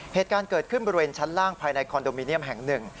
เหตุการณ์เกิดขึ้นบริเวณชั้นล่างภายในคอนโดมิเนียมแห่งหนึ่ง